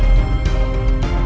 tim kematian friday